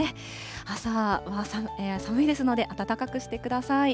朝は寒いですので、温かくしてください。